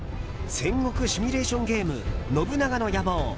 戦国シミュレーションゲーム「信長の野望」。